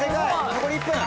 残り１分。